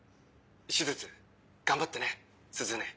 手術頑張ってね鈴音。